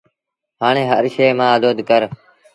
هآڻي هر شئي مآݩ اڌو اد ڪر